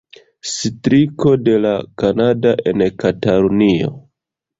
Striko de La Kanada en Katalunio.